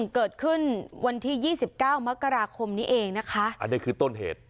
เกิดขึ้นวันที่๒๙มกราคมนี้เองนะคะอันนี้คือต้นเหตุ